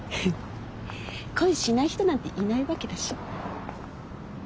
恋しない人なんていないわけだし。